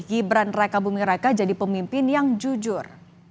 gibran rekabumiraka jadi pemimpin yang jujur